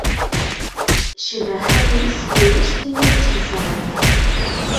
Ccbaḥa-nnes drus tin ay tt-yesɛan.